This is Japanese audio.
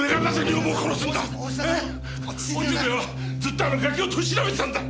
ゆうべはずっとあのガキを取り調べてたんだ！